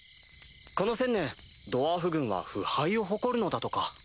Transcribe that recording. この１０００年ドワーフ軍は不敗を誇るのだとか。